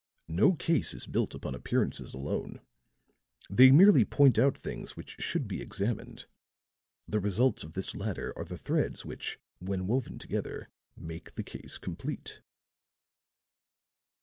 "No case is built upon appearances alone. They merely point out things which should be examined; the results of this latter are the threads which, when woven together, make the case complete."